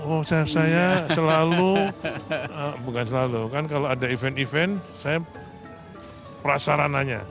oh saya selalu bukan selalu kan kalau ada event event saya prasarananya